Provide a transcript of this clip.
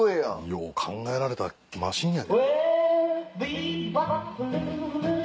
よう考えられたマシンや。